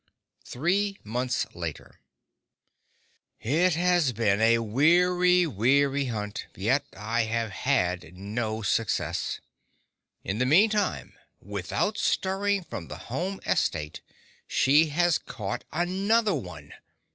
Three Months Later It has been a weary, weary hunt, yet I have had no success. In the mean time, without stirring from the home estate, she has caught another one!